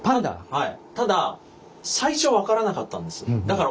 はい。